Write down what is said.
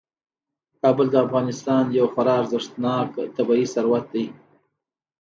کابل د افغانستان یو خورا ارزښتناک طبعي ثروت دی.